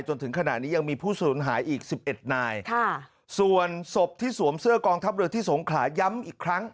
จนถึงขณะนี้ยังมีผู้สูญหายอีกสิบเอ็ดนายค่ะส่วนศพที่สวมเสื้อกองทัพเรือที่สงขลาย้ำอีกครั้ง